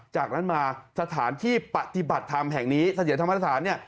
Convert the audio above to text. จากนั้นมาสถานที่ปฏิบัติธรรมแห่งนี้เสถียรธรรมสถานเนี่ย